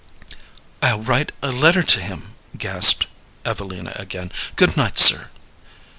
"I'll write a letter to him," gasped Evelina again. "Good night, sir."